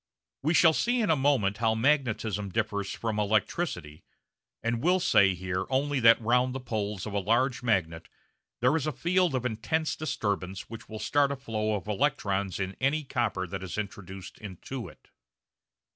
We shall see in a moment how magnetism differs from electricity, and will say here only that round the poles of a large magnet there is a field of intense disturbance which will start a flow of electrons in any copper that is introduced into it.